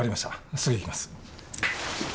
すぐ行きます。